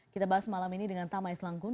kita bahas malam ini dengan tamai selangkun